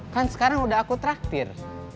kan sekarang udah aku traktir